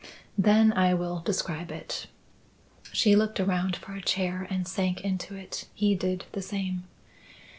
"Then I will describe it." She looked around for a chair and sank into it. He did the same.